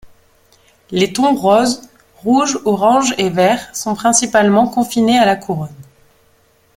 Les tons roses, rouges orange et verts sont principalement confinés à la couronne.